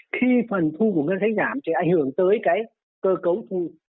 khi phần thu của ngân sách giảm thì ảnh hưởng tới cái cơ cấu thu